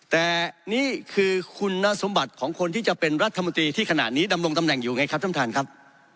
แต่นี่คือคุณสมบัติของคนที่จะเป็นรัฐมนตรีที่ขณะนี้ดำรงตำแหน่งอยู่ไงครับท่านท่านครับ